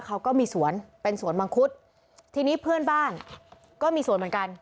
เขาก็มีสวนเป็นสวนมังคุดทีนี้เพื่อนบ้านก็มีสวนเหมือนกัน